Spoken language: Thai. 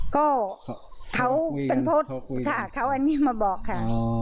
ก็เขาเป็นโพสต์ค่ะเขาอันนี้มาบอกค่ะ